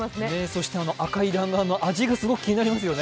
そして赤い弾丸の味がすごい気になりますよね。